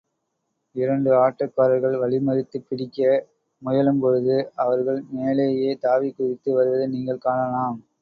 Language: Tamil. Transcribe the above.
இரண்டு ஆட்டக்காரர்கள் வழிமறித்துப் பிடிக்க முயலும்பொழுது அவர்கள் மேலேயே தாவிக்குதித்து வருவதை நீங்கள் காணலாம்.